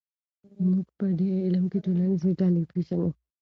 موږ په دې علم کې ټولنیزې ډلې پېژنو.